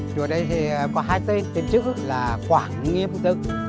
chùa đây có hai tên tên trước là quảng nghiêm tức